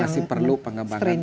masih perlu pengembangan